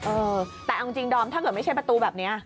เออแต่เอาจริงดอมถ้าเกิดไม่ใช่ประตูแบบนี้